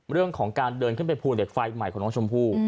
เรื่องของการเดินขึ้นไปภูเหล็กไฟใหม่ของน้องชมพู่